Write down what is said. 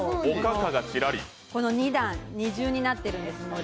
この２段、２重になってるんです、のり。